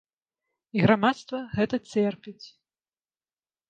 І грамадства гэта церпіць.